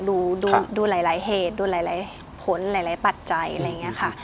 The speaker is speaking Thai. ดูหลายเหตุดูหลายผลหลายปัจจัยอะไรอย่างนี้ค่ะ